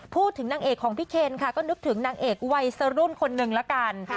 พูดถึงนางเอกของพี่เคนค่ะก็นึกถึงนางเอกวัยสรุ่นคนนึงละกัน